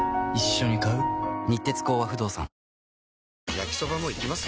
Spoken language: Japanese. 焼きソバもいきます？